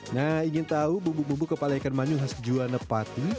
nah ingin tahu bumbu bumbu kepala ikan manyu khas juane pati